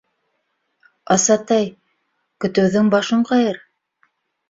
Асатай, көтөүҙең башын ҡайыр!